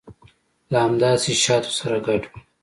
له همداسې شاتو سره ګډوي.